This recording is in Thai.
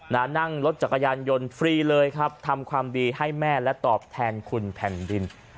นั่งรถจักรยานยนต์ฟรีเลยครับทำความดีให้แม่และตอบแทนคุณแผ่นดิน